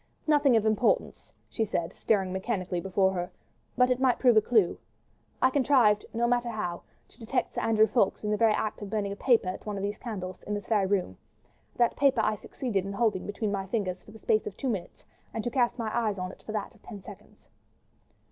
"Nothing of importance," she said, staring mechanically before her, "but it might prove a clue. I contrived—no matter how—to detect Sir Andrew Ffoulkes in the very act of burning a paper at one of these candles, in this very room. That paper I succeeded in holding between my fingers for the space of two minutes, and to cast my eye on it for that of ten seconds."